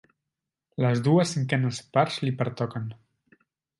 Les dues cinquenes parts li pertoquen.